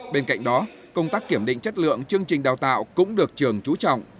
bên cạnh đó công tác kiểm định chất lượng chương trình đào tạo cũng được trường trú trọng